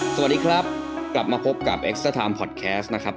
สวัสดีครับกลับมาพบกับเอ็กซาไมพอดแคสต์นะครับ